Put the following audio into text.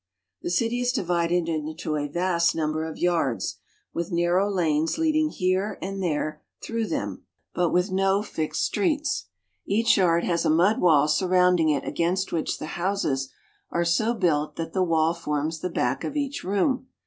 The city is divided into a vast number of yards, with 'ow lanes leading here and there through them, but k with no fi\t,d htTL tb EiLh ) ud has a mud wall sur rounding it against which the houses are so built that the wall forms the back of each room.